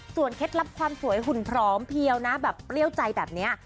เคล็ดลับความสวยหุ่นพร้อมเพียวนะแบบเปรี้ยวใจแบบนี้